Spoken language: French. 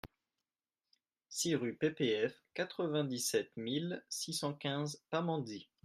six rue PPF, quatre-vingt-dix-sept mille six cent quinze Pamandzi